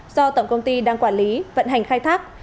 do tổng công ty đang quản lý vận hành khai thác